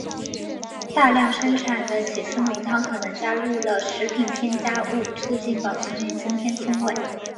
大量生产的起司浓汤可能加入了食品添加物促进保存与增添风味。